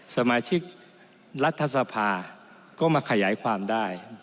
สมาชิกรัฐสภาก็มาขยายความได้